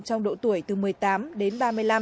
trong độ tuổi từ một mươi tám đến ba mươi năm